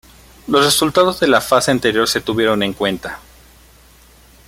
Los resultados de la fase anterior se tuvieron en cuenta.